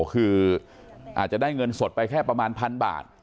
คืออาจจะได้เงินสดไปแค่ประมาณพันบาท